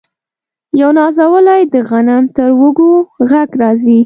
یو نازولی د غنم تر وږو ږغ راځي